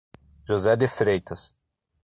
José de Freitas